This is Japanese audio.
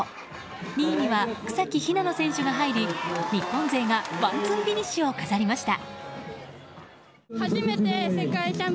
２位には草木ひなの選手が入り日本勢がワンツーフィニッシュを飾りました。